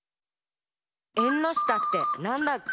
「えんのしたってなんだっけ？」